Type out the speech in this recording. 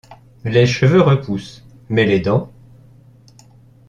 Les cheveux repoussent, mais les dents !